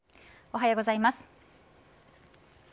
おはようございます。